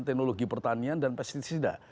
ekologi pertanian dan pesticida